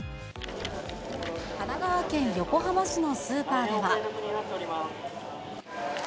神奈川県横浜市のスーパーでは。